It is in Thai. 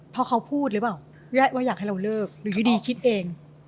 เพราะเขาพูดหรือเปล่าว่าอยากให้เราเลิกหรืออยู่ดีคิดเอง